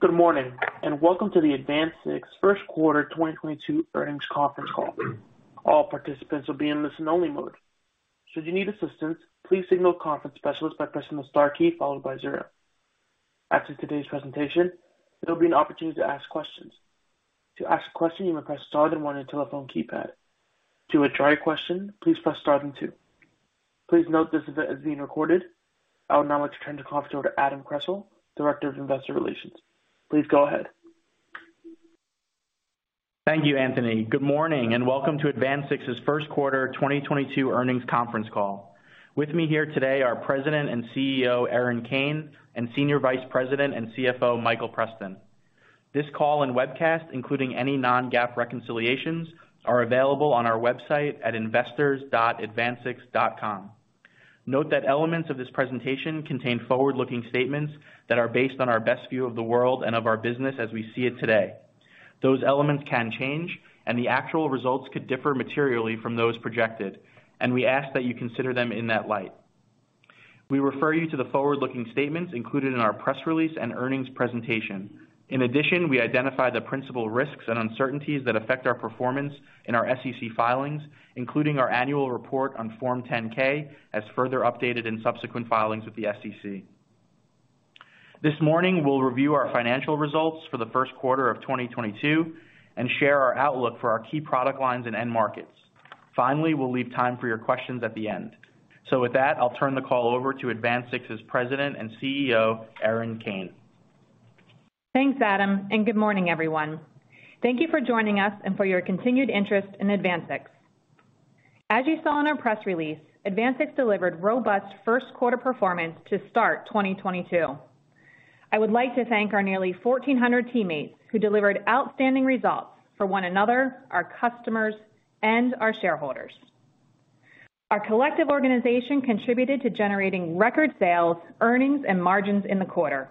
Good morning, and welcome to the AdvanSix First Quarter 2022 Earnings Conference Call. All participants will be in listen only mode. Should you need assistance, please signal a conference specialist by pressing the star key followed y zero. After today's presentation, there'll be an opportunity to ask questions. To ask a question, you may press star then one on your telephone keypad. To withdraw your question, please press star then two. Please note this event is being recorded. I would now like to turn the conference over to Adam Kressel, Director of Investor Relations. Please go ahead. Thank you, Anthony. Good morning and welcome to Advansix's First Quarter 2022 Earnings Conference Call. With me here today are President and CEO, Erin Kane, and Senior Vice President and CFO, Michael Preston. This call and webcast, including any non-GAAP reconciliations, are available on our website at investors.advansix.com. Note that elements of this presentation contain forward-looking statements that are based on our best view of the world and of our business as we see it today. Those elements can change, and the actual results could differ materially from those projected, and we ask that you consider them in that light. We refer you to the forward-looking statements included in our press release and earnings presentation. In addition, we identify the principal risks and uncertainties that affect our performance in our SEC filings, including our annual report on Form 10-K as further updated in subsequent filings with the SEC. This morning we'll review our financial results for the first quarter of 2022 and share our outlook for our key product lines and end markets. Finally, we'll leave time for your questions at the end. With that, I'll turn the call over to Advansix's President and CEO, Erin Kane. Thanks, Adam, and good morning, everyone. Thank you for joining us and for your continued interest in AdvanSix. As you saw in our press release, AdvanSix delivered robust first quarter performance to start 2022. I would like to thank our nearly 1,400 teammates who delivered outstanding results for one another, our customers, and our shareholders. Our collective organization contributed to generating record sales, earnings, and margins in the quarter.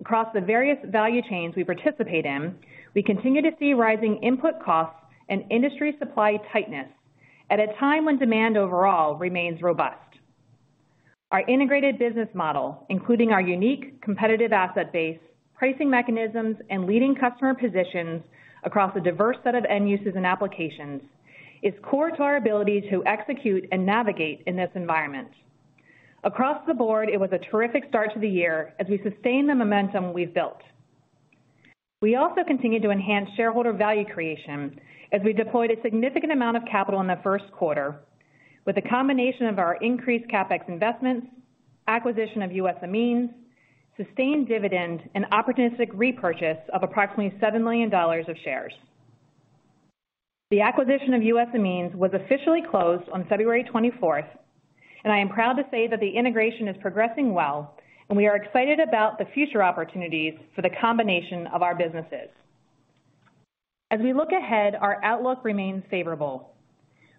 Across the various value chains we participate in, we continue to see rising input costs and industry supply tightness at a time when demand overall remains robust. Our integrated business model, including our unique competitive asset base, pricing mechanisms, and leading customer positions across a diverse set of end uses and applications, is core to our ability to execute and navigate in this environment. Across the board, it was a terrific start to the year as we sustain the momentum we've built. We also continue to enhance shareholder value creation as we deployed a significant amount of capital in the first quarter with a combination of our increased CapEx investments, acquisition of U.S. Amines, sustained dividend and opportunistic repurchase of approximately $7 million of shares. The acquisition of U.S. Amines was officially closed on February 24, and I am proud to say that the integration is progressing well and we are excited about the future opportunities for the combination of our businesses. As we look ahead, our outlook remains favorable.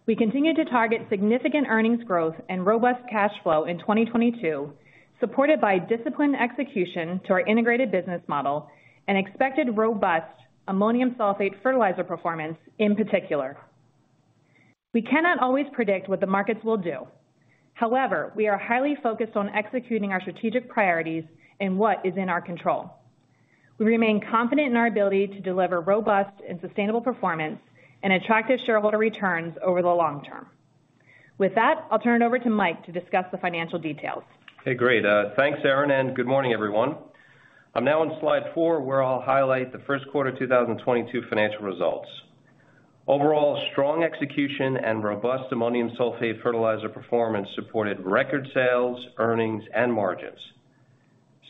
We continue to target significant earnings growth and robust cash flow in 2022, supported by disciplined execution to our integrated business model and expected robust ammonium sulfate fertilizer performance in particular. We cannot always predict what the markets will do. However, we are highly focused on executing our strategic priorities and what is in our control. We remain confident in our ability to deliver robust and sustainable performance and attractive shareholder returns over the long term. With that, I'll turn it over to Mike to discuss the financial details. Okay, great. Thanks, Erin, and good morning, everyone. I'm now on slide four, where I'll highlight the first quarter 2022 financial results. Overall, strong execution and robust ammonium sulfate fertilizer performance supported record sales, earnings, and margins.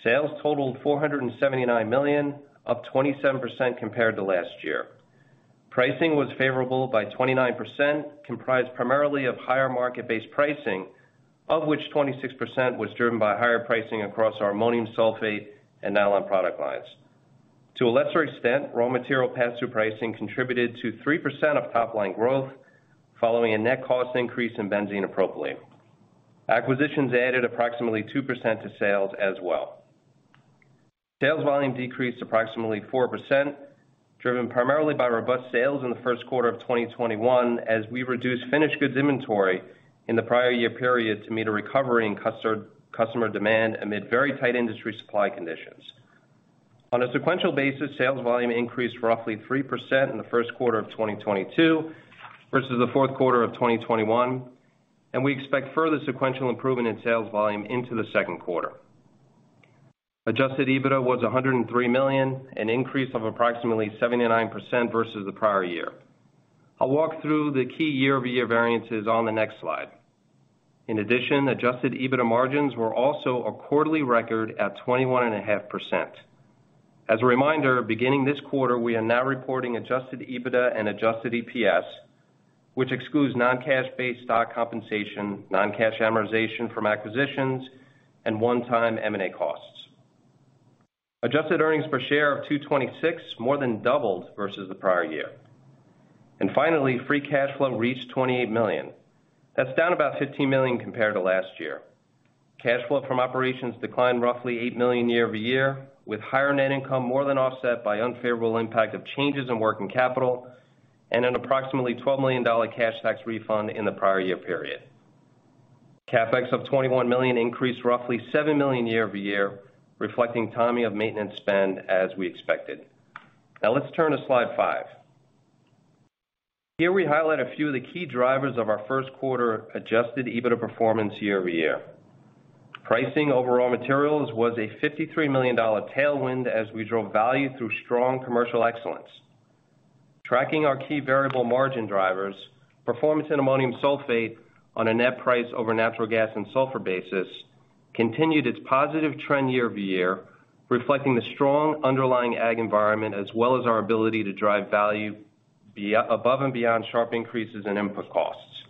Sales totaled, $479 million, up 27%, compared to last year. Pricing was favorable by 29%, comprised primarily of higher market-based pricing, of which 26%, was driven by higher pricing across our ammonium sulfate and nylon product lines. To a lesser extent, raw material pass-through pricing contributed to 3%, Of top line growth following a net cost increase in benzene and propylene. Acquisitions added approximately 2%, to sales as well. Sales volume decreased approximately 4%, driven primarily by robust sales in the first quarter of 2021 as we reduced finished goods inventory in the prior year period to meet a recovery in customer demand amid very tight industry supply conditions. On a sequential basis, sales volume increased roughly 3%, in the first quarter of 2022 versus the fourth quarter of 2021, and we expect further sequential improvement in sales volume into the second quarter. Adjusted EBITDA was $103 million, an increase of approximately 79%, versus the prior year. I'll walk through the key year-over-year variances on the next slide. In addition, Adjusted EBITDA margins were also a quarterly record at 21.5%. As a reminder, beginning this quarter, we are now reporting adjusted EBITDA and Adjusted EPS, which excludes non-cash based stock compensation, non-cash amortization from acquisitions, and one-time M&A costs. Adjusted earnings per share of $2.26 more than doubled versus the prior year. Finally, free cash flow reached $28 million. That's down about $15 million compared to last year. Cash flow from operations declined roughly $8 million year-over-year, with higher net income more than offset by unfavorable impact of changes in working capital and an approximately $12 million cash tax refund in the prior year period. CapEx of $21 million increased roughly $7 million year-over-year, reflecting timing of maintenance spend as we expected. Now let's turn to slide 5. Here we highlight a few of the key drivers of our first quarter Adjusted EBITDA performance year-over-year. Pricing overall materials was a $53 million tailwind as we drove value through strong commercial excellence. Tracking our key variable margin drivers, performance in ammonium sulfate on a net price over natural gas and sulfur basis continued its positive trend year-over-year, reflecting the strong underlying ag environment, as well as our ability to drive value above and beyond sharp increases in input costs.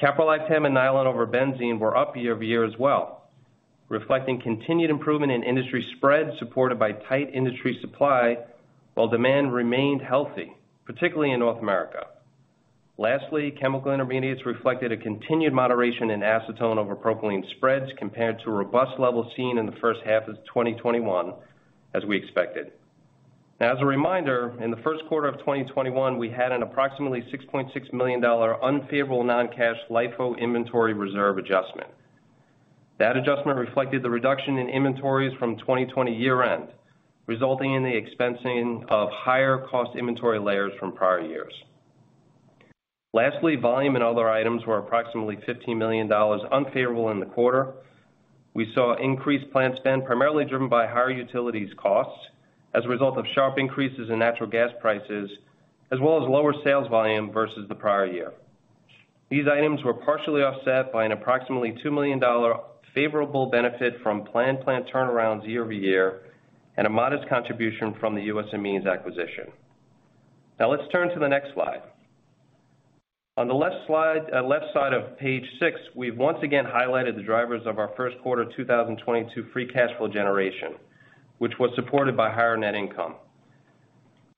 Caprolactam and nylon over benzene were up year-over-year as well, reflecting continued improvement in industry spread, supported by tight industry supply while demand remained healthy, particularly in North America. Lastly, chemical intermediates reflected a continued moderation in acetone over propylene spreads compared to a robust level seen in the first half of 2021, as we expected. Now as a reminder, in the first quarter of 2021, we had an approximately $6.6 million unfavorable non-cash LIFO inventory reserve adjustment. That adjustment reflected the reduction in inventories from 2020 year-end, resulting in the expensing of higher cost inventory layers from prior years. Lastly, volume and other items were approximately $15 million unfavorable in the quarter. We saw increased plant spend primarily driven by higher utilities costs as a result of sharp increases in natural gas prices, as well as lower sales volume versus the prior year. These items were partially offset by an approximately $2 million favorable benefit from planned plant turnarounds year-over-year and a modest contribution from the U.S. Amines acquisition. Now let's turn to the next slide. On the left slide, left side of page six, we've once again highlighted the drivers of our first quarter 2022 free cash flow generation, which was supported by higher net income.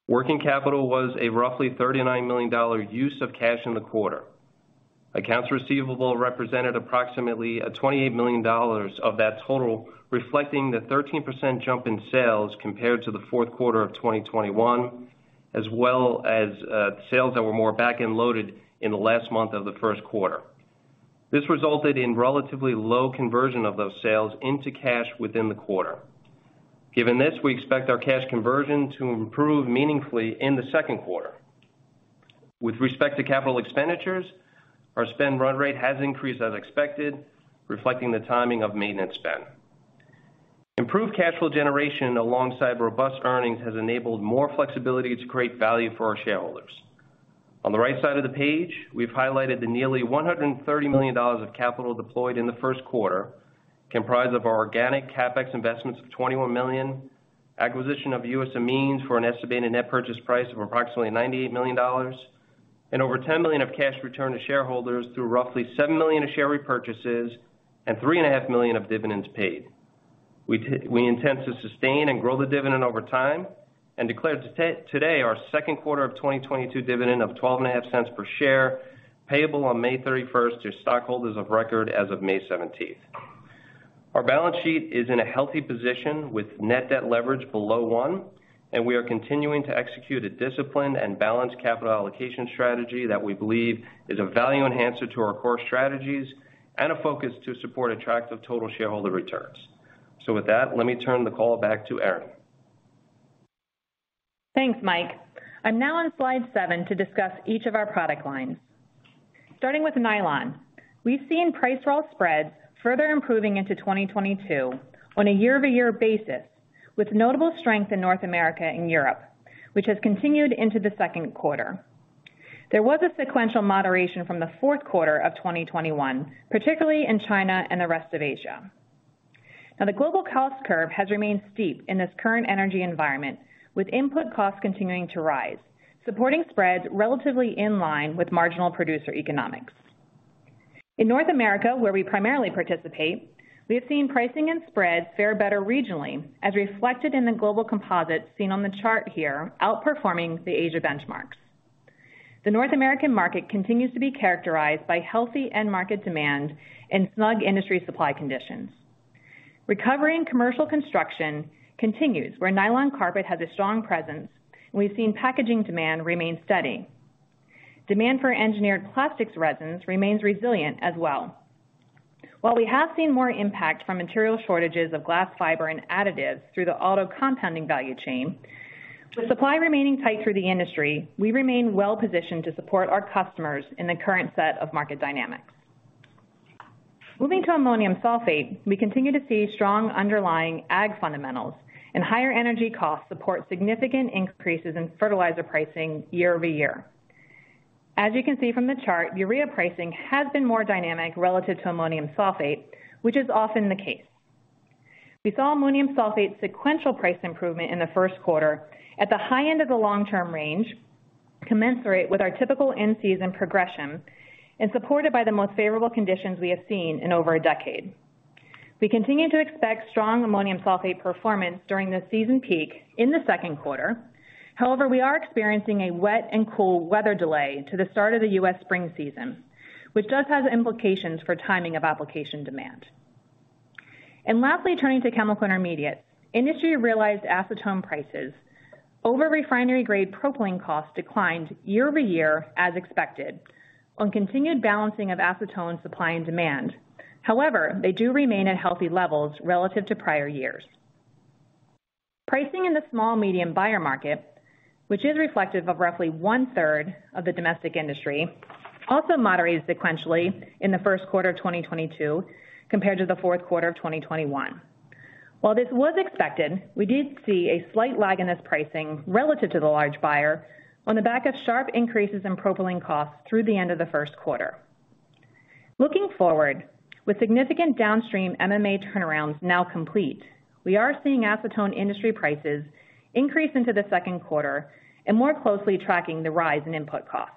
Working capital was a roughly $39 million use of cash in the quarter. Accounts receivable represented approximately $28 million of that total, reflecting the 13%, jump in sales compared to the fourth quarter of 2021, as well as sales that were more back-end loaded in the last month of the first quarter. This resulted in relatively low conversion of those sales into cash within the quarter. Given this, we expect our cash conversion to improve meaningfully in the second quarter. With respect to capital expenditures, our spend run rate has increased as expected, reflecting the timing of maintenance spend. Improved cash flow generation alongside robust earnings has enabled more flexibility to create value for our shareholders. On the right side of the page, we've highlighted the nearly $130 million of capital deployed in the first quarter, comprised of our organic CapEx investments of $21 million, acquisition of U.S. Amines for an estimated net purchase price of approximately $98 million, and over $10 million of cash returned to shareholders through roughly $7 million of share repurchases and $3.5 million of dividends paid. We intend to sustain and grow the dividend over time and declare today our second quarter of 2022 dividend of $0.125 per share, payable on May 31st to stockholders of record as of May 17th. Our balance sheet is in a healthy position with net debt leverage below one, and we are continuing to execute a disciplined and balanced capital allocation strategy that we believe is a value enhancer to our core strategies and a focus to support attractive total shareholder returns. With that, let me turn the call back to Erin. Thanks, Mike. I'm now on slide 7 to discuss each of our product lines. Starting with nylon. We've seen price roll spreads further improving into 2022 on a year-over-year basis with notable strength in North America and Europe, which has continued into the second quarter. There was a sequential moderation from the fourth quarter of 2021, particularly in China and the rest of Asia. Now the global cost curve has remained steep in this current energy environment, with input costs continuing to rise, supporting spreads relatively in line with marginal producer economics. In North America, where we primarily participate, we have seen pricing and spreads fare better regionally, as reflected in the global composite seen on the chart here, outperforming the Asia benchmarks. The North American market continues to be characterized by healthy end market demand and snug industry supply conditions. Recovery in commercial construction continues where nylon carpet has a strong presence, and we've seen packaging demand remain steady. Demand for engineered plastics resins remains resilient as well. While we have seen more impact from material shortages of glass fiber and additives through the auto compounding value chain, with supply remaining tight through the industry, we remain well positioned to support our customers in the current set of market dynamics. Moving to ammonium sulfate, we continue to see strong underlying ag fundamentals and higher energy costs support significant increases in fertilizer pricing year-over-year. As you can see from the chart, urea pricing has been more dynamic relative to ammonium sulfate, which is often the case. We saw ammonium sulfate sequential price improvement in the first quarter at the high end of the long-term range, commensurate with our typical in-season progression and supported by the most favorable conditions we have seen in over a decade. We continue to expect strong ammonium sulfate performance during the season peak in the second quarter. However, we are experiencing a wet and cool weather delay to the start of the U.S. spring season, which does have implications for timing of application demand. Lastly, turning to chemical intermediate. Industry realized acetone prices over refinery grade propylene costs declined year-over-year as expected on continued balancing of acetone supply and demand. However, they do remain at healthy levels relative to prior years. Pricing in the small- and medium-buyer market, which is reflective of roughly 1/3 of the domestic industry, also moderated sequentially in the first quarter of 2022 compared to the fourth quarter of 2021. While this was expected, we did see a slight lag in this pricing relative to the large buyer on the back of sharp increases in propylene costs through the end of the first quarter. Looking forward, with significant downstream MMA turnarounds now complete, we are seeing acetone industry prices increase into the second quarter and more closely tracking the rise in input costs.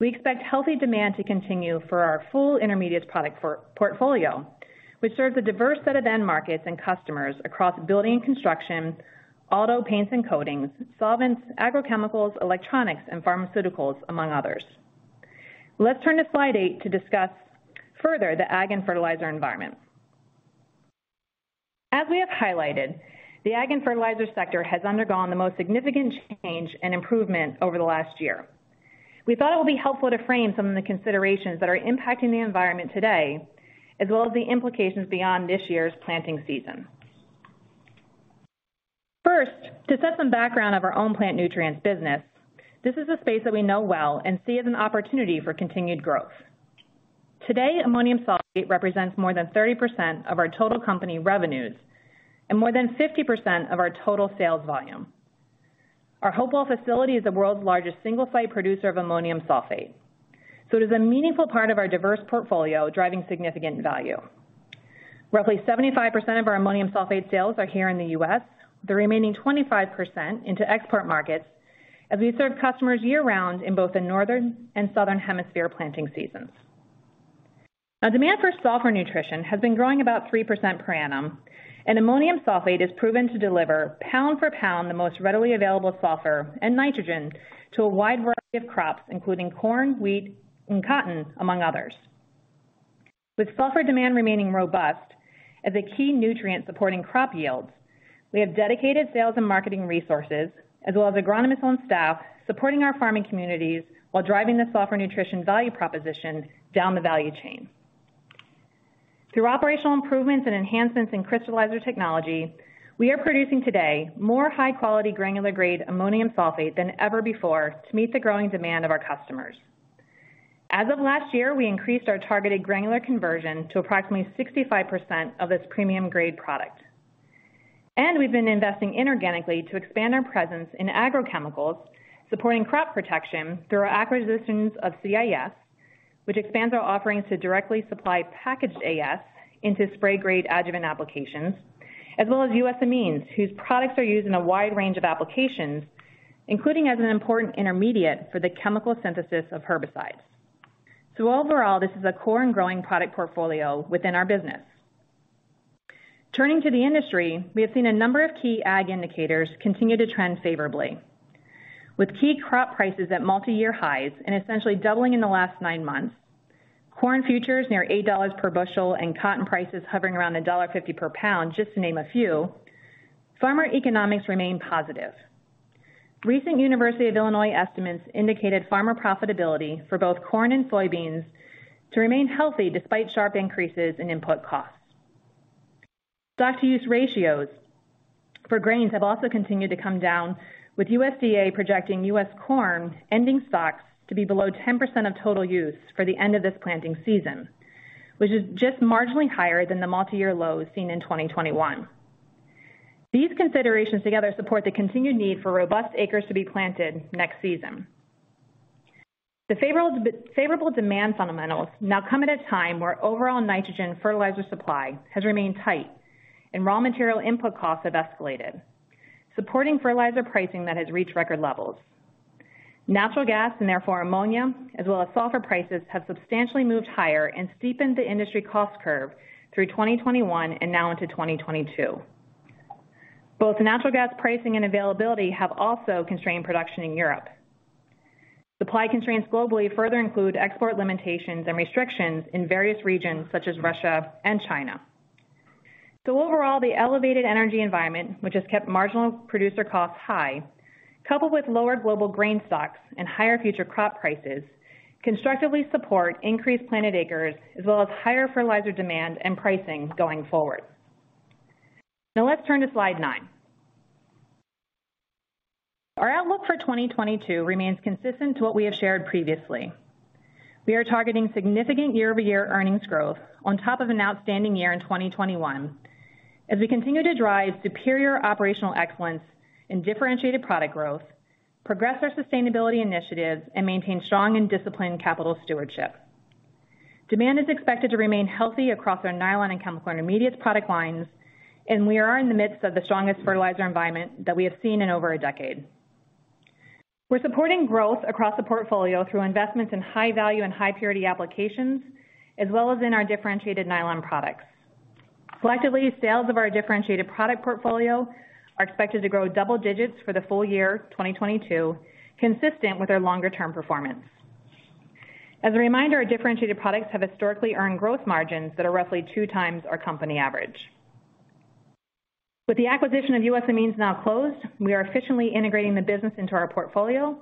We expect healthy demand to continue for our full intermediate product portfolio, which serves a diverse set of end markets and customers across building and construction, auto paints and coatings, solvents, agrochemicals, electronics, and pharmaceuticals, among others. Let's turn to slide 8 to discuss further the ag and fertilizer environment. As we have highlighted, the ag and fertilizer sector has undergone the most significant change and improvement over the last year. We thought it would be helpful to frame some of the considerations that are impacting the environment today, as well as the implications beyond this year's planting season. First, to set some background of our own plant nutrients business, this is a space that we know well and see as an opportunity for continued growth. Today, ammonium sulfate represents more than 30%, of our total company revenues and more than 50%, of our total sales volume. Our Hopewell facility is the world's largest single-site producer of ammonium sulfate, so it is a meaningful part of our diverse portfolio driving significant value. Roughly 75%, of our ammonium sulfate sales are here in the U.S., the remaining 25% ,into export markets, as we serve customers year-round in both the Northern and Southern Hemisphere planting seasons. Now, demand for sulfur nutrition has been growing about 3%, per annum, and ammonium sulfate has proven to deliver pound for pound the most readily available sulfur and nitrogen to a wide variety of crops, including corn, wheat, and cotton, among others. With sulfur demand remaining robust as a key nutrient supporting crop yields, we have dedicated sales and marketing resources as well as agronomists on staff supporting our farming communities while driving the sulfur nutrition value proposition down the value chain. Through operational improvements and enhancements in crystallizer technology, we are producing today more high-quality granular grade ammonium sulfate than ever before to meet the growing demand of our customers. As of last year, we increased our targeted granular conversion to approximately 65%, of this premium grade product. We've been investing inorganically to expand our presence in agrochemicals, supporting crop protection through our acquisitions of CIS, which expands our offerings to directly supply packaged AS into spray grade adjuvant applications, as well as U.S. Amines, whose products are used in a wide range of applications, including as an important intermediate for the chemical synthesis of herbicides. Overall, this is a core and growing product portfolio within our business. Turning to the industry, we have seen a number of key ag indicators continue to trend favorably. With key crop prices at multi-year highs and essentially doubling in the last 9 months, corn futures near $8 per bushel and cotton prices hovering around $1.50 per pound, just to name a few, farmer economics remain positive. Recent University of Illinois estimates indicated farmer profitability for both corn and soybeans to remain healthy despite sharp increases in input costs. Stock-to-use ratios for grains have also continued to come down, with USDA projecting U.S. corn ending stocks to be below 10%, of total use for the end of this planting season, which is just marginally higher than the multi-year lows seen in 2021. These considerations together support the continued need for robust acres to be planted next season. The favorable demand fundamentals now come at a time where overall nitrogen fertilizer supply has remained tight and raw material input costs have escalated, supporting fertilizer pricing that has reached record levels. Natural gas, and therefore ammonia as well as sulfur prices, have substantially moved higher and steepened the industry cost curve through 2021 and now into 2022. Both natural gas pricing and availability have also constrained production in Europe. Supply constraints globally further include export limitations and restrictions in various regions such as Russia and China. Overall, the elevated energy environment, which has kept marginal producer costs high, coupled with lower global grain stocks and higher future crop prices, constructively support increased planted acres as well as higher fertilizer demand and pricing going forward. Now let's turn to slide 9. Our outlook for 2022 remains consistent to what we have shared previously. We are targeting significant year-over-year earnings growth on top of an outstanding year in 2021 as we continue to drive superior operational excellence and differentiated product growth, progress our sustainability initiatives, and maintain strong and disciplined capital stewardship. Demand is expected to remain healthy across our nylon and chemical intermediate product lines, and we are in the midst of the strongest fertilizer environment that we have seen in over a decade. We're supporting growth across the portfolio through investments in high value and high purity applications, as well as in our differentiated nylon products. Selectively, sales of our differentiated product portfolio are expected to grow double digits for the full year 2022, consistent with our longer-term performance. As a reminder, our differentiated products have historically earned growth margins that are roughly two times our company average. With the acquisition of U.S. Amines now closed, we are efficiently integrating the business into our portfolio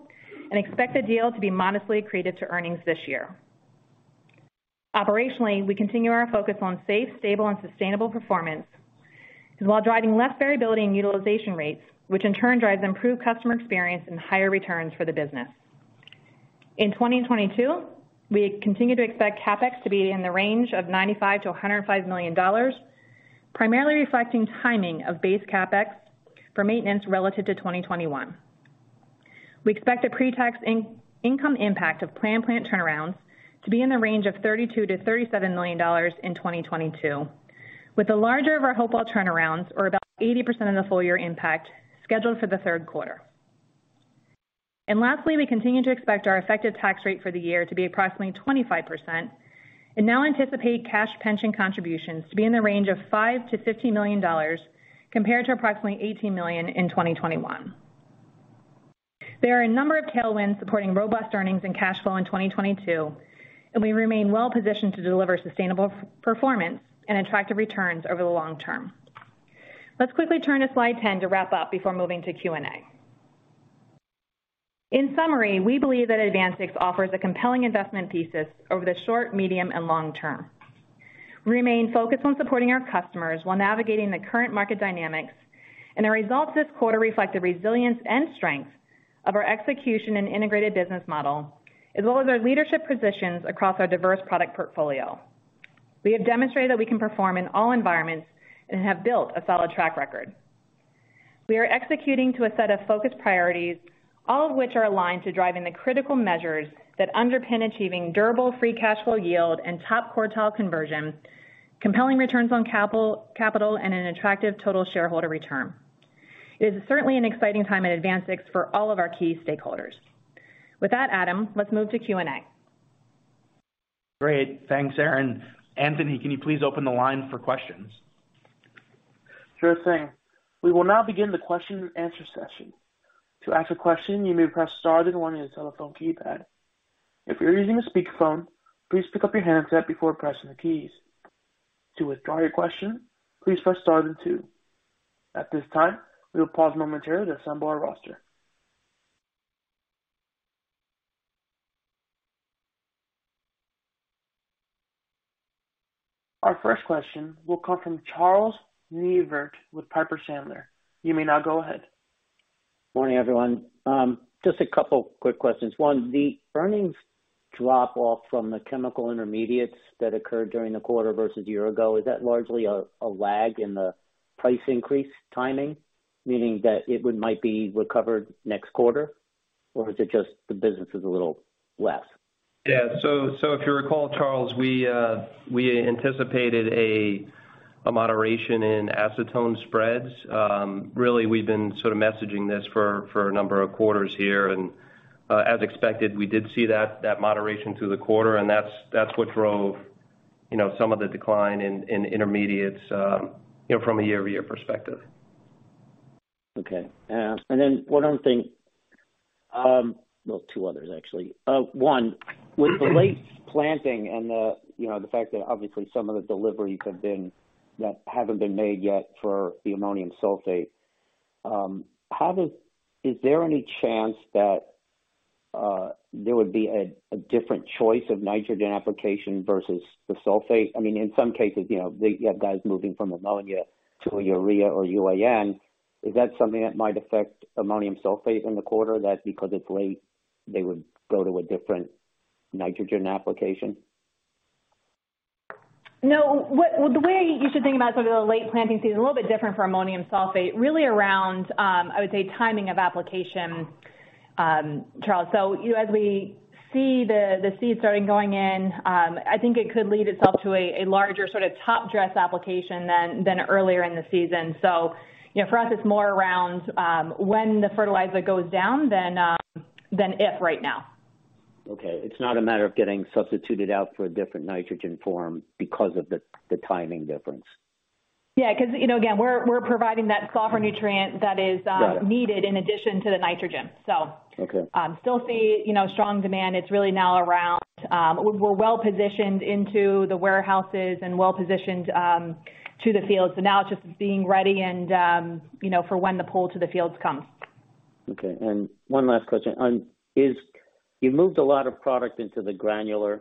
and expect the deal to be modestly accretive to earnings this year. Operationally, we continue our focus on safe, stable and sustainable performance, while driving less variability in utilization rates, which in turn drives improved customer experience and higher returns for the business. In 2022, we continue to expect CapEx to be in the range of $95 million-$105 million, primarily reflecting timing of base CapEx for maintenance relative to 2021. We expect a pre-tax income impact of planned plant turnarounds to be in the range of $32 million-$37 million in 2022, with the larger of our Hopewell turnarounds or about 80%, of the full year impact scheduled for the third quarter. Lastly, we continue to expect our effective tax rate for the year to be approximately 25%, and now anticipate cash pension contributions to be in the range of $5 million-$15 million compared to approximately $18 million in 2021. There are a number of tailwinds supporting robust earnings and cash flow in 2022, and we remain well positioned to deliver sustainable performance and attractive returns over the long term. Let's quickly turn to slide 10 to wrap up before moving to Q&A. In summary, we believe that AdvanSix offers a compelling investment thesis over the short, medium and long term. We remain focused on supporting our customers while navigating the current market dynamics, and the results this quarter reflect the resilience and strength of our execution and integrated business model, as well as our leadership positions across our diverse product portfolio. We have demonstrated that we can perform in all environments and have built a solid track record. We are executing to a set of focused priorities, all of which are aligned to driving the critical measures that underpin achieving durable free cash flow yield and top quartile conversion, compelling returns on capital and an attractive total shareholder return. It is certainly an exciting time at AdvanSix for all of our key stakeholders. With that, Adam, let's move to Q&A. Great. Thanks, Erin. Anthony, can you please open the line for questions? Sure thing. We will now begin the question and answer session. To ask a question, you may press star then one on your telephone keypad. If you're using a speakerphone, please pick up your handset before pressing the keys. To withdraw your question, please press star then two. At this time, we will pause momentarily to assemble our roster. Our first question will come from Charles Neivert with Piper Sandler. You may now go ahead. Morning, everyone. Just a couple quick questions. One, the earnings drop off from the chemical intermediates that occurred during the quarter versus year ago. Is that largely a lag in the price increase timing, meaning that it might be recovered next quarter? Or is it just the business is a little less? Yeah. If you recall, Charles, we anticipated a moderation in acetone spreads. Really, we've been sort of messaging this for a number of quarters here. As expected, we did see that moderation through the quarter, and that's what drove, you know, some of the decline in intermediates, you know, from a year-over-year perspective. Okay. Then one other thing. Well, two others actually. One, with the late planting and the, you know, the fact that obviously some of the deliveries that haven't been made yet for the ammonium sulfate, is there any chance that there would be a different choice of nitrogen application versus the sulfate? I mean, in some cases, you know, you have guys moving from ammonia to urea or UAN. Is that something that might affect ammonium sulfate in the quarter, that because it's late they would go to a different nitrogen application? No. Well, the way you should think about some of the late planting season, a little bit different for ammonium sulfate, really around, I would say timing of application, Charles. You know, as we see the seeds starting going in, I think it could lead itself to a larger sort of top dress application than earlier in the season. You know, for us, it's more around when the fertilizer goes down than if right now. Okay. It's not a matter of getting substituted out for a different nitrogen form because of the timing difference. Yeah, 'cause, you know, again, we're providing that sulfur nutrient that is. Got it. Needed in addition to the nitrogen. Okay. Still see, you know, strong demand. It's really now around, we're well positioned into the warehouses and well positioned to the fields. Now it's just being ready and, you know, for when the pull to the fields comes. Okay. One last question. You moved a lot of product into the granular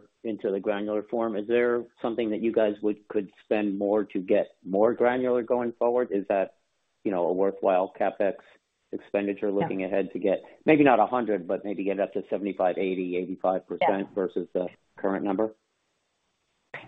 form. Is there something that you guys could spend more to get more granular going forward? Is that, you know, a worthwhile CapEx expenditure? No. Looking ahead to get maybe not 100, but maybe get up to 75, 80, 85%. Yeah. Versus the current number?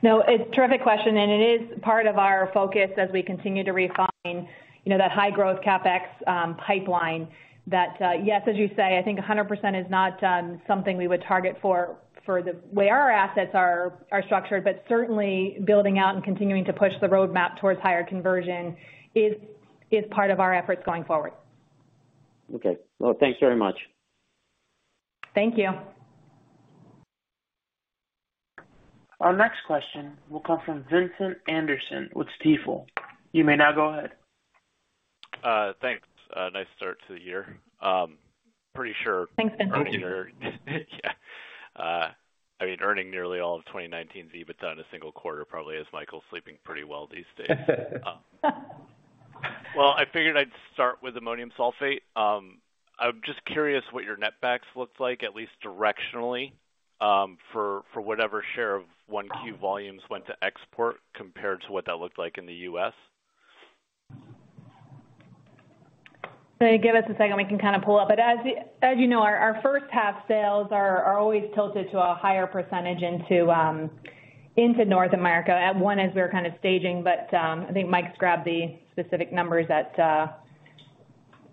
No, it's a terrific question, and it is part of our focus as we continue to refine, you know, that high growth CapEx pipeline that, yes, as you say, I think 100% is not something we would target for the way our assets are structured, but certainly building out and continuing to push the roadmap towards higher conversion is part of our efforts going forward. Okay. Well, thanks very much. Thank you. Our next question will come from Vincent Anderson with Stifel. You may now go ahead. Thanks. Nice start to the year. Pretty sure. Thanks, Vincent. Yeah. I mean, earning nearly all of 2019's EBITDA in a single quarter probably has Michael sleeping pretty well these days. Well, I figured I'd start with ammonium sulfate. I'm just curious what your net backs looks like at least directionally, for whatever share of 1Q volumes went to export compared to what that looked like in the U.S. If you give us a second, we can kind of pull up. As you know, our first half sales are always tilted to a higher percentage into North America a ton, as we were kind of staging. I think Michael's grabbed the specific numbers at For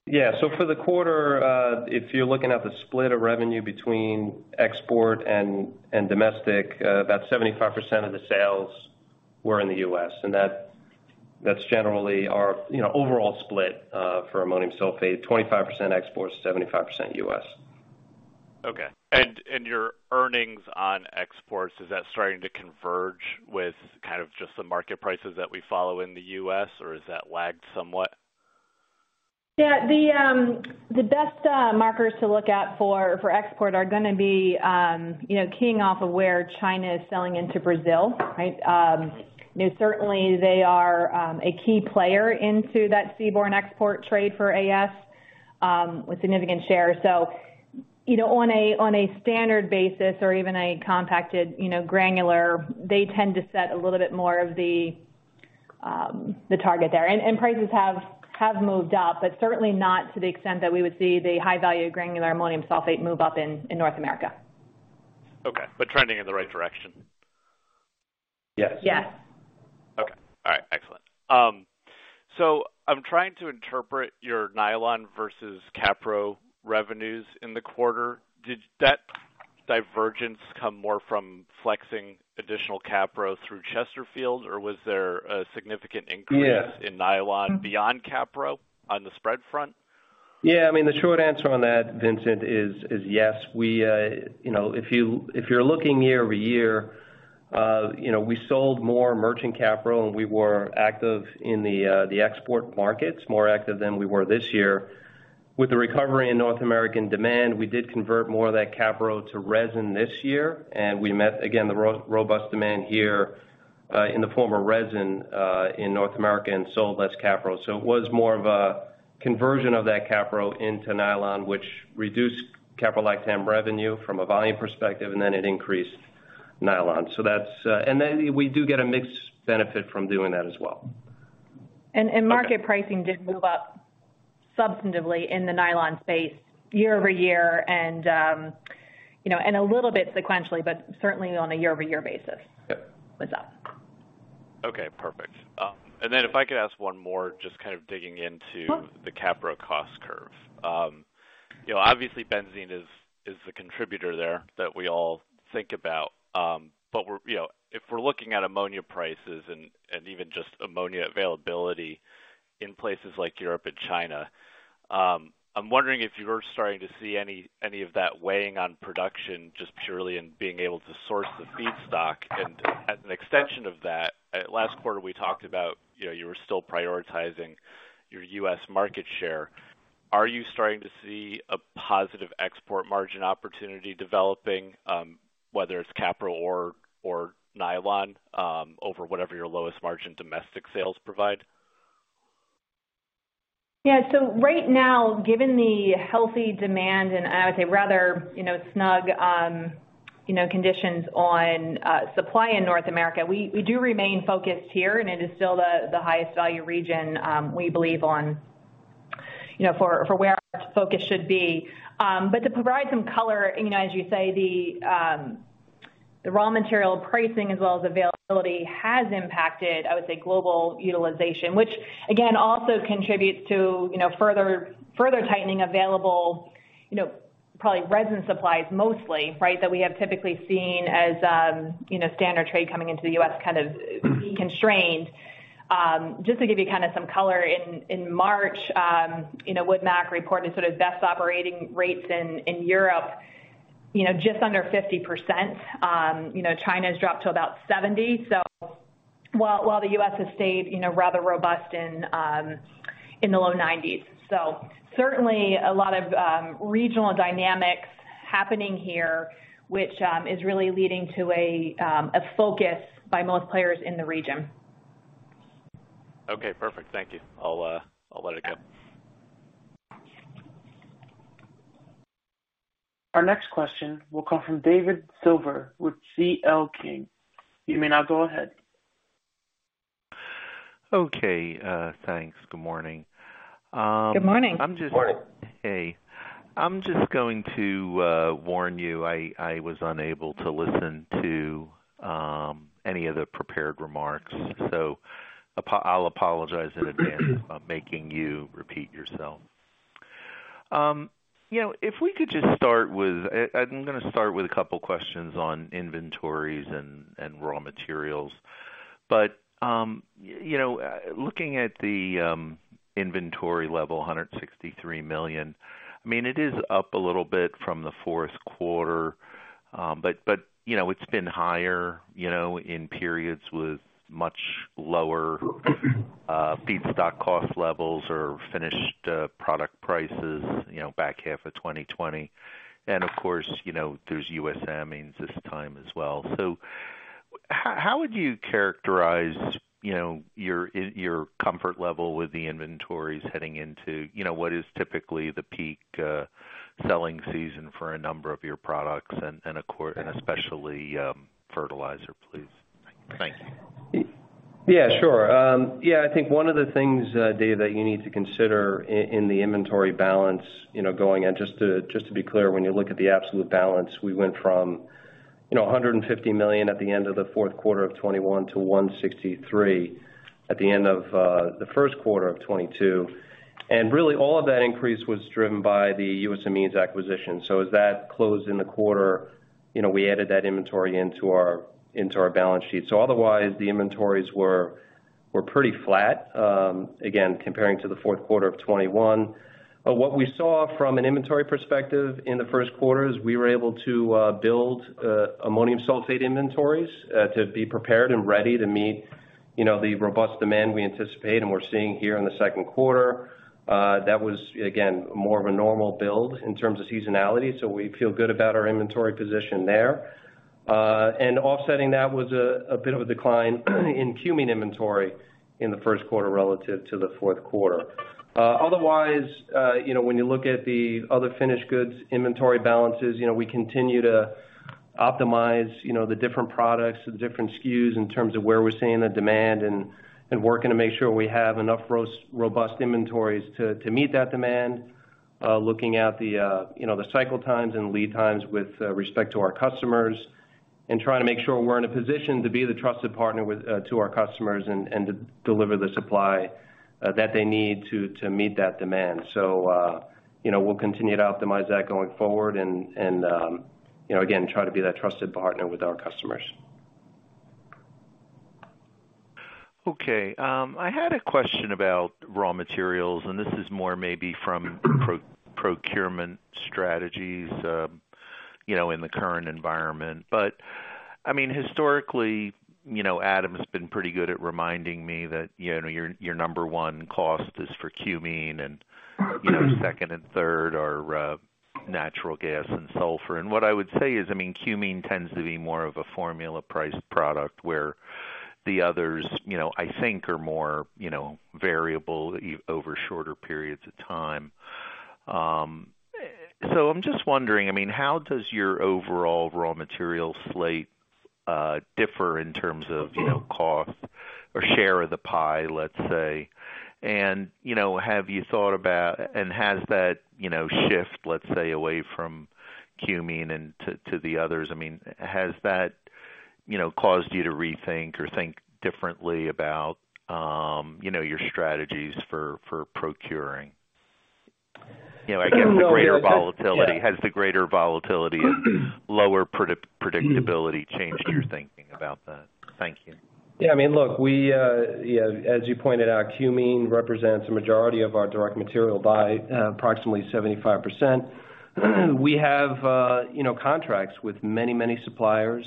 the quarter, if you're looking at the split of revenue between export and domestic, about 75%, of the sales were in the U.S., and that's generally our, you know, overall split, for ammonium sulfate, 25% export, 75% U.S. Okay. Your earnings on exports, is that starting to converge with kind of just the market prices that we follow in the U.S., or is that lagged somewhat? Yeah. The best markers to look at for export are gonna be, you know, keying off of where China is selling into Brazil, right? You know, certainly they are a key player into that seaborne export trade for AS with significant share. You know, on a standard basis or even a compacted, you know, granular, they tend to set a little bit more of the target there. Prices have moved up, but certainly not to the extent that we would see the high value granular ammonium sulfate move up in North America. Okay. Trending in the right direction? Yes. Yes. Okay. All right. Excellent. I'm trying to interpret your nylon versus capro revenues in the quarter. Did that divergence come more from flexing additional capro through Chesterfield, or was there a significant increase? Yeah in nylon beyond capro on the spread front? Yeah, I mean, the short answer on that, Vincent, is yes. We, you know, if you're looking year-over-year, you know, we sold more merchant capro, and we were active in the export markets, more active than we were this year. With the recovery in North American demand, we did convert more of that capro to resin this year, and we met again the robust demand here in the nylon resin in North America and sold less capro. It was more of a conversion of that capro into nylon, which reduced caprolactam revenue from a volume perspective, and then it increased nylon. That's. We do get a mixed benefit from doing that as well. Okay. Market pricing did move up substantively in the nylon space year-over-year and, you know, a little bit sequentially, but certainly on a year-over-year basis. Yep. With that. Okay, perfect. If I could ask one more, just kind of digging into- Sure The capro cost curve. You know, obviously benzene is the contributor there that we all think about. But we're you know, if we're looking at ammonia prices and even just ammonia availability in places like Europe and China, I'm wondering if you're starting to see any of that weighing on production just purely in being able to source the feedstock. As an extension of that, at last quarter, we talked about, you know, you were still prioritizing your U.S. market share. Are you starting to see a positive export margin opportunity developing, whether it's capro or nylon, over whatever your lowest margin domestic sales provide? Yeah. Right now, given the healthy demand, and I would say rather, you know, snug conditions on supply in North America, we do remain focused here, and it is still the highest value region we believe, you know, for where our focus should be. To provide some color, you know, as you say, the raw material pricing as well as availability has impacted, I would say, global utilization, which again also contributes to, you know, further tightening available, you know, nylon resin supplies mostly, right? That we have typically seen as, you know, standard trade coming into the U.S. kind of constrained. Just to give you kind of some color, in March, you know, WoodMac reported sort of best operating rates in Europe, you know, just under 50%. You know, China's dropped to about 70%. While the U.S. has stayed, you know, rather robust in the low 90%. Certainly a lot of regional dynamics happening here, which is really leading to a focus by most players in the region. Okay. Perfect. Thank you. I'll let it go. Our next question will come from David Silver with C.L. King. You may now go ahead. Okay. Thanks. Good morning. Good morning. I'm just- Good morning. Hey. I'm just going to warn you, I was unable to listen to any of the prepared remarks, so I'll apologize in advance of making you repeat yourself. You know, if we could just start with. I'm gonna start with a couple questions on inventories and raw materials. You know, looking at the inventory level, $163 million, I mean, it is up a little bit from the fourth quarter, but you know, it's been higher, you know, in periods with much lower feedstock cost levels or finished product prices, you know, back half of 2020. Of course, you know, there's U.S. Amines this time as well. How would you characterize, you know, your in... Your comfort level with the inventories heading into, you know, what is typically the peak selling season for a number of your products and especially fertilizer, please? Thank you. Yeah, sure. Yeah, I think one of the things, David, that you need to consider in the inventory balance, you know, going in, just to be clear, when you look at the absolute balance, we went from, you know, $150 million at the end of the fourth quarter of 2021 to $163 million at the end of the first quarter of 2022. Really, all of that increase was driven by the U.S. Amines acquisition. As that closed in the quarter, you know, we added that inventory into our balance sheet. Otherwise, the inventories were pretty flat, again, comparing to the fourth quarter of 2021. What we saw from an inventory perspective in the first quarter is we were able to build ammonium sulfate inventories to be prepared and ready to meet, you know, the robust demand we anticipate and we're seeing here in the second quarter. That was, again, more of a normal build in terms of seasonality, so we feel good about our inventory position there. Offsetting that was a bit of a decline in cumene inventory in the first quarter relative to the fourth quarter. Otherwise, you know, when you look at the other finished goods inventory balances, you know, we continue to optimize, you know, the different products, the different SKU's in terms of where we're seeing the demand and working to make sure we have enough robust inventories to meet that demand. Looking at the, you know, the cycle times and lead times with respect to our customers and trying to make sure we're in a position to be the trusted partner to our customers and, you know, again, try to be that trusted partner with our customers. Okay. I had a question about raw materials, and this is more maybe from procurement strategies, you know, in the current environment. I mean, historically, you know, Adam has been pretty good at reminding me that, you know, your number one cost is for cumene and, you know, second and third are, natural gas and sulfur. What I would say is, I mean, cumene tends to be more of a formula price product where the others, you know, I think are more, you know, variable over shorter periods of time. I'm just wondering, I mean, how does your overall raw material slate differ in terms of, you know, cost or share of the pie, let's say? You know, has that shift, let's say, away from cumene and to the others, I mean, has that caused you to rethink or think differently about your strategies for procuring? You know, I guess the greater volatility. Has the greater volatility and lower predictability changed your thinking about that? Thank you. Yeah. I mean, look, we, as you pointed out, cumene represents a majority of our direct material by approximately 75%. We have, you know, contracts with many suppliers,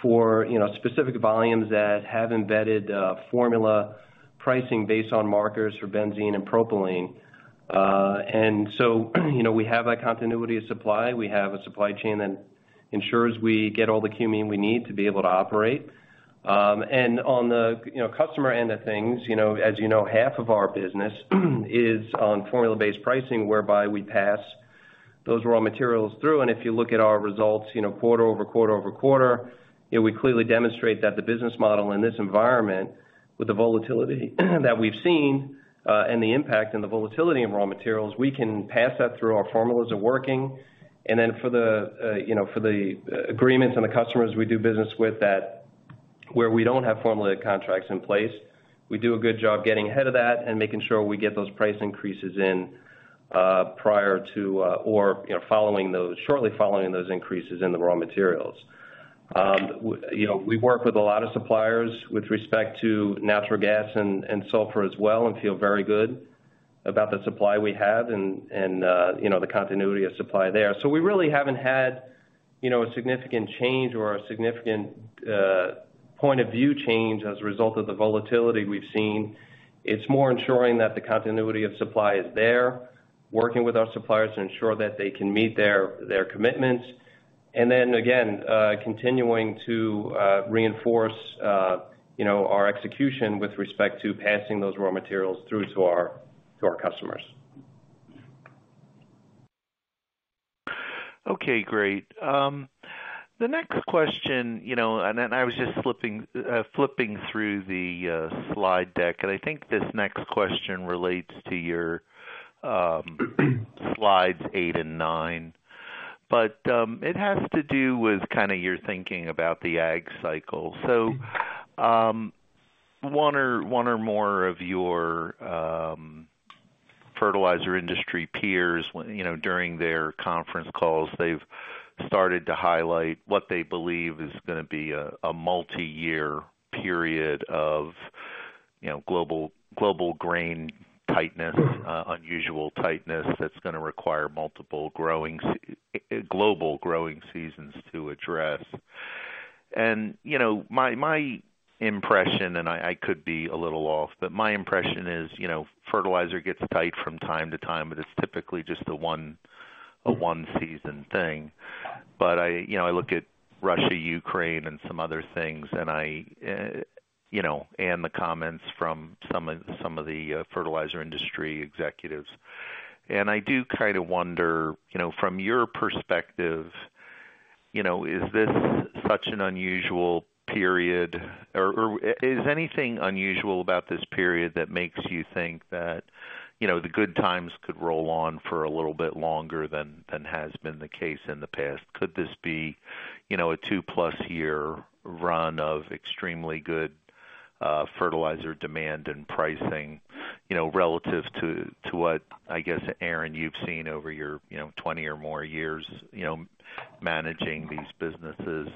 for, you know, specific volumes that have embedded formula pricing based on markers for benzene and propylene. We have that continuity of supply. We have a supply chain that ensures we get all the cumene we need to be able to operate. On the customer end of things, you know, as you know, half of our business is on formula-based pricing, whereby we pass those raw materials through. If you look at our results, you know, quarter over quarter over quarter, you know, we clearly demonstrate that the business model in this environment with the volatility that we've seen, and the impact and the volatility of raw materials, we can pass that through our formulas of working. Then for the, you know, for the agreements and the customers we do business with that where we don't have formulated contracts in place, we do a good job getting ahead of that and making sure we get those price increases in, prior to, or, you know, following those shortly following those increases in the raw materials. You know, we work with a lot of suppliers with respect to natural gas and sulfur as well, and feel very good about the supply we have and, you know, the continuity of supply there. We really haven't had, you know, a significant change or a significant point of view change as a result of the volatility we've seen. It's more ensuring that the continuity of supply is there, working with our suppliers to ensure that they can meet their commitments, and then again, continuing to reinforce, you know, our execution with respect to passing those raw materials through to our customers. Okay, great. The next question, you know, and then I was just flipping through the slide deck, and I think this next question relates to your slides 8 and 9. It has to do with kinda your thinking about the ag cycle. One or more of your Fertilizer industry peers, when, you know, during their conference calls, they've started to highlight what they believe is gonna be a multi-year period of, you know, global grain tightness, unusual tightness that's gonna require multiple growing seasons to address. My impression, and I could be a little off, but my impression is, you know, fertilizer gets tight from time to time, but it's typically just a one-season thing. I, you know, I look at Russia, Ukraine and some other things, and I, you know, and the comments from some of the fertilizer industry executives. I do kind of wonder, you know, from your perspective, you know, is this such an unusual period? Or is anything unusual about this period that makes you think that, you know, the good times could roll on for a little bit longer than has been the case in the past? Could this be, you know, a 2+ year run of extremely good fertilizer demand and pricing, you know, relative to what, I guess, Erin, you've seen over your, you know, 20 or more years, you know, managing these businesses?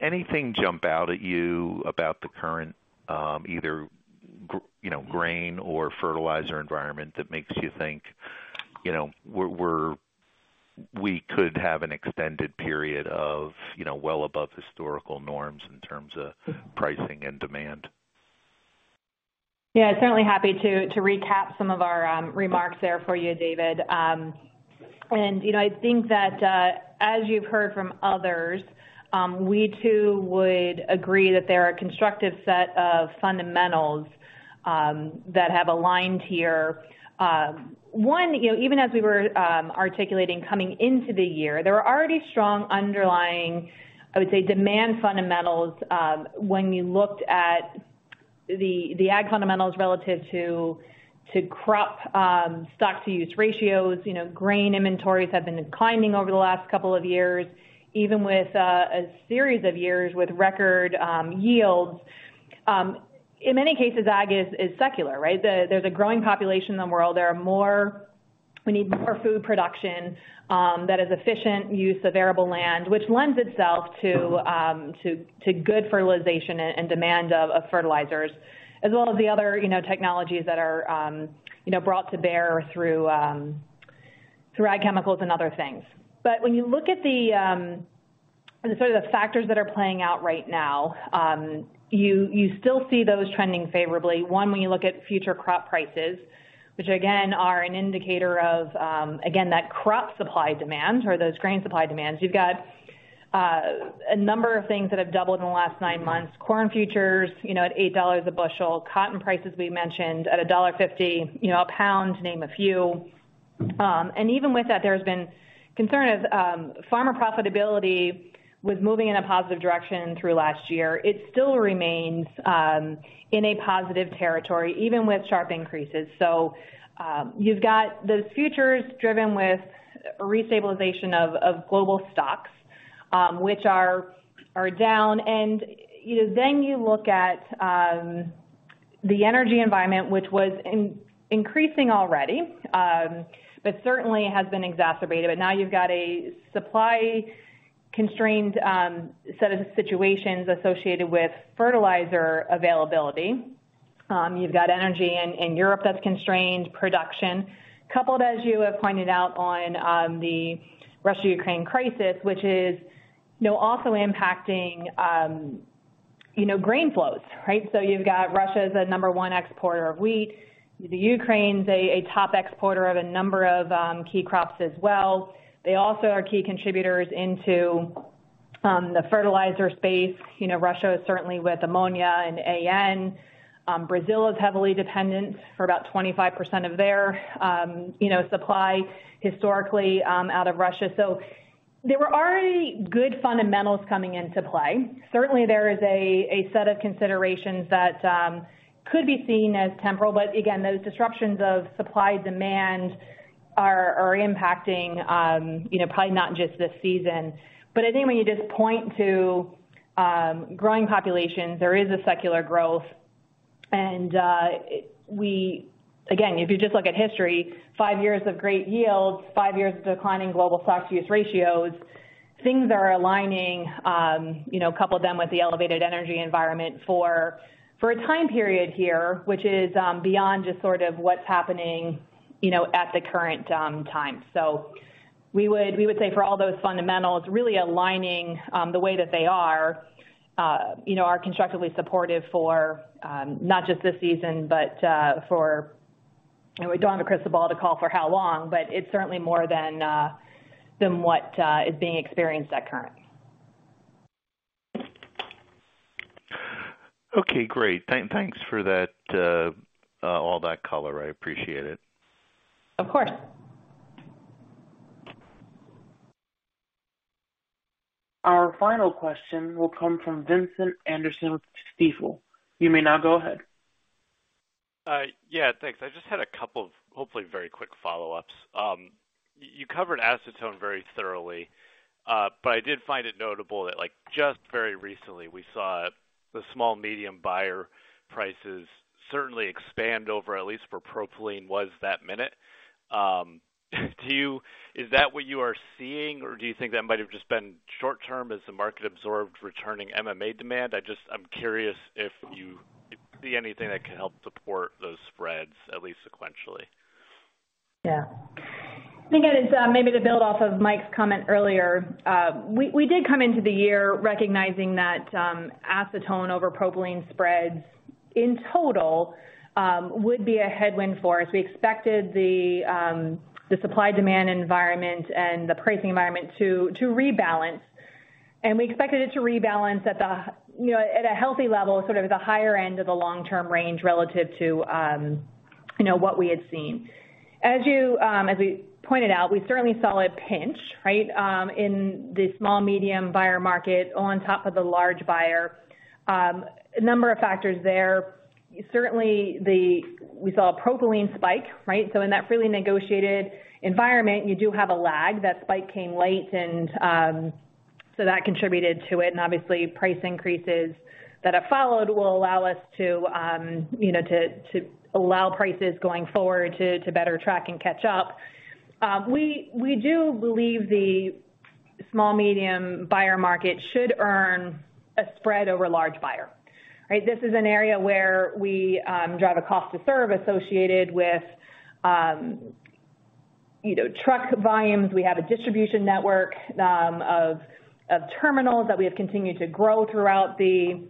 Anything jump out at you about the current, either you know, grain or fertilizer environment that makes you think, you know, we could have an extended period of, you know, well above historical norms in terms of pricing and demand? Yeah, certainly happy to recap some of our remarks there for you, David. You know, I think that as you've heard from others, we too would agree that there are a constructive set of fundamentals that have aligned here. One, you know, even as we were articulating coming into the year, there were already strong underlying, I would say, demand fundamentals when you looked at the ag fundamentals relative to crop stock to use ratios. You know, grain inventories have been declining over the last couple of years, even with a series of years with record yields. In many cases, ag is secular, right? There's a growing population in the world. There are more. We need more food production that is efficient use of arable land, which lends itself to good fertilization and demand of fertilizers. As well as the other, you know, technologies that are, you know, brought to bear through ag chemicals and other things. When you look at the sort of factors that are playing out right now, you still see those trending favorably. One, when you look at future crop prices, which again are an indicator of again that crop supply demand or those grain supply demands. You've got a number of things that have doubled in the last 9 months. Corn futures, you know, at $8 a bushel, cotton prices we mentioned at $1.50, you know, a pound, to name a few. Even with that, there's been concern of farmer profitability with moving in a positive direction through last year. It still remains in a positive territory, even with sharp increases. You've got those futures driven with restabilization of global stocks, which are down. You know, then you look at the energy environment, which was increasing already, but certainly has been exacerbated. Now you've got a supply-constrained set of situations associated with fertilizer availability. You've got energy in Europe that's constrained production, coupled, as you have pointed out on the Russia-Ukraine crisis, which is, you know, also impacting, you know, grain flows, right? You've got Russia is the number one exporter of wheat. The Ukraine's a top exporter of a number of key crops as well. They also are key contributors into the fertilizer space. You know, Russia is certainly with ammonia and AN. Brazil is heavily dependent for about 25%, of their you know, supply historically out of Russia. There were already good fundamentals coming into play. Certainly, there is a set of considerations that could be seen as temporal, but again, those disruptions of supply-demand are impacting you know, probably not just this season. I think when you just point to growing populations, there is a secular growth. Again, if you just look at history, five years of great yields, five years of declining global stock-to-use ratios, things are aligning, you know, couple them with the elevated energy environment for a time period here, which is beyond just sort of what's happening, you know, at the current time. We would say for all those fundamentals really aligning the way that they are, you know, are constructively supportive for not just this season, but for you know, we don't have a crystal ball to call for how long, but it's certainly more than what is being experienced currently. Okay, great. Thanks for that, all that color. I appreciate it. Of course. Our final question will come from Vincent Anderson with Stifel. You may now go ahead. Yeah, thanks. I just had a couple of hopefully very quick follow-ups. You covered acetone very thoroughly. I did find it notable that, like, just very recently, we saw the small medium buyer prices certainly expand over at least where propylene was that moment. Is that what you are seeing, or do you think that might have just been short-term as the market absorbed returning MMA demand? I'm curious if you see anything that can help support those spreads, at least sequentially. Yeah. I think it is, maybe to build off of Mike's comment earlier. We did come into the year recognizing that, acetone over propylene spreads in total, would be a headwind for us. We expected the supply-demand environment and the pricing environment to rebalance, and we expected it to rebalance at the, you know, at a healthy level, sort of at the higher end of the long-term range relative to, you know, what we had seen. As we pointed out, we certainly saw a pinch, right, in the small medium buyer market on top of the large buyer. A number of factors there. Certainly, we saw a propylene spike, right? In that freely negotiated environment, you do have a lag. That spike came late, and, so that contributed to it. Obviously, price increases that have followed will allow us to allow prices going forward to better track and catch up. We do believe the small medium buyer market should earn a spread over large buyer, right? This is an area where we drive a cost to serve associated with truck volumes. We have a distribution network of terminals that we have continued to grow throughout the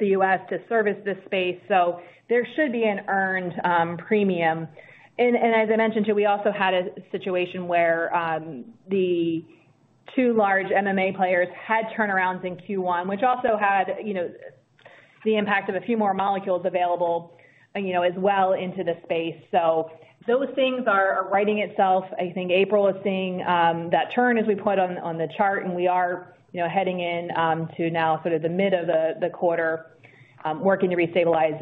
U.S. to service this space. There should be an earned premium. As I mentioned too, we also had a situation where the two large MMA players had turnarounds in Q1, which also had the impact of a few more molecules available as well into the space. Those things are righting itself. I think April is seeing that turn as we put on the chart, and we are, you know, heading in to now sort of the mid of the quarter, working to restabilize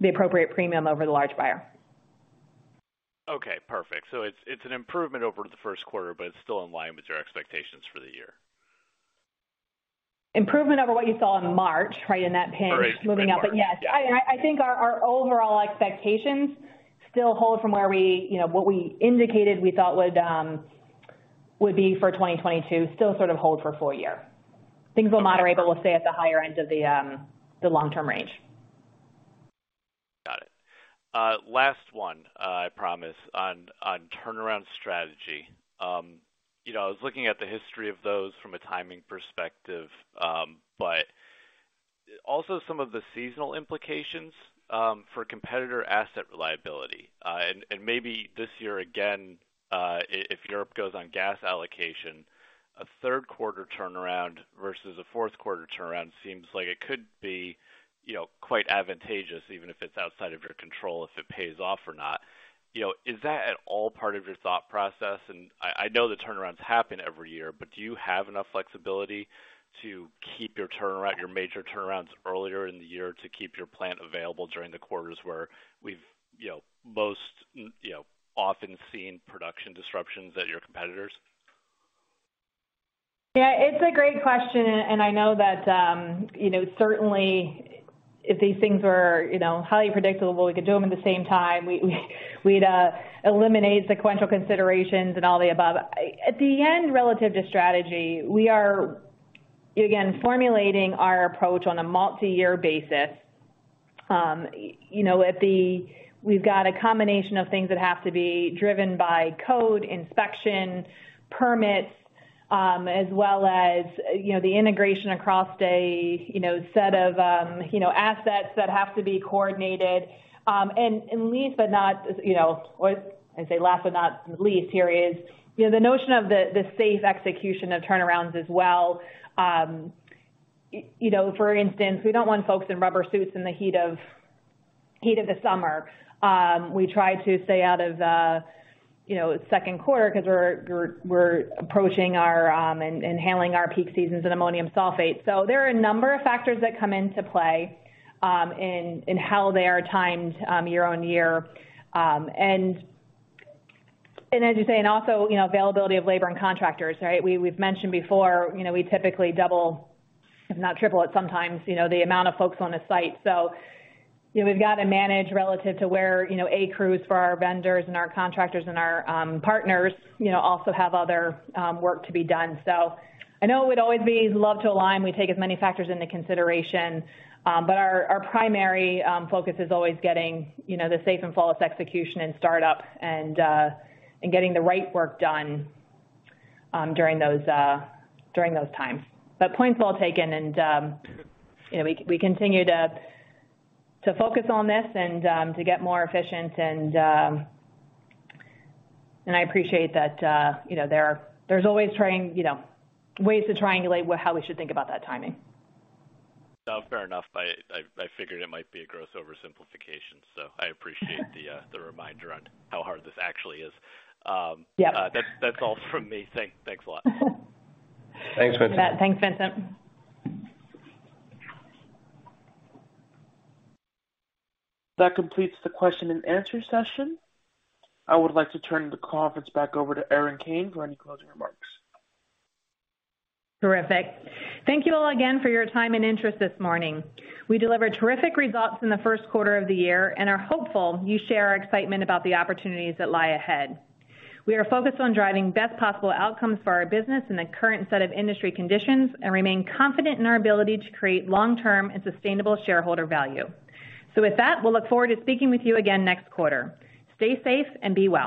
the appropriate premium over the large buyer. Okay, perfect. It's an improvement over the first quarter, but it's still in line with your expectations for the year. Improvement over what you saw in March, right, in that pinch moving up. Right, right. March. Yeah. Yes, I think our overall expectations still hold from where we, you know, what we indicated we thought would be for 2022, still sort of hold for full year. Things will moderate, but we'll stay at the higher end of the long-term range. Got it. Last one, I promise. On turnaround strategy. You know, I was looking at the history of those from a timing perspective, but also some of the seasonal implications for competitor asset reliability. Maybe this year again, if Europe goes on gas allocation, a third quarter turnaround versus a fourth quarter turnaround seems like it could be, you know, quite advantageous, even if it's outside of your control, if it pays off or not. You know, is that at all part of your thought process? I know the turnarounds happen every year, but do you have enough flexibility to keep your turnaround, your major turnarounds earlier in the year to keep your plant available during the quarters where we've, you know, most, you know, often seen production disruptions at your competitors? Yeah, it's a great question, and I know that, you know, certainly if these things were, you know, highly predictable, we could do them at the same time. We'd eliminate sequential considerations and all the above. At the end, relative to strategy, we are again formulating our approach on a multi-year basis. You know, at the we've got a combination of things that have to be driven by code, inspection, permits, as well as, you know, the integration across a, you know, set of, you know, assets that have to be coordinated. Last but not least here is, you know, the notion of the safe execution of turnarounds as well. You know, for instance, we don't want folks in rubber suits in the heat of the summer. We try to stay out of, you know, second quarter 'cause we're approaching and handling our peak seasons in ammonium sulfate. There are a number of factors that come into play in how they are timed year-on-year. As you say, also, you know, availability of labor and contractors, right? We've mentioned before, you know, we typically double, if not triple it sometimes, you know, the amount of folks on a site. You know, we've got to manage relative to where, you know, our crews for our vendors and our contractors and our partners also have other work to be done. I'd always love to align. We take as many factors into consideration, but our primary focus is always getting, you know, the safe and flawless execution and startup and getting the right work done during those times. Point well taken and, you know, we continue to focus on this and to get more efficient and I appreciate that, you know, there's always trying, you know, ways to triangulate how we should think about that timing. No, fair enough. I figured it might be a gross oversimplification, so I appreciate the reminder on how hard this actually is. Yeah. That's all from me. Thanks a lot. Thanks, Vincent. Thanks, Vincent. That completes the question and answer session. I would like to turn the conference back over to Erin Kane for any closing remarks. Terrific. Thank you all again for your time and interest this morning. We delivered terrific results in the first quarter of the year and are hopeful you share our excitement about the opportunities that lie ahead. We are focused on driving best possible outcomes for our business in the current set of industry conditions and remain confident in our ability to create long-term and sustainable shareholder value. With that, we'll look forward to speaking with you again next quarter. Stay safe and be well.